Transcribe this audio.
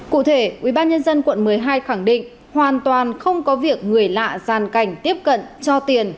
cụ thể ubnd quận một mươi hai khẳng định hoàn toàn không có việc người lạ gian cảnh tiếp cận cho tiền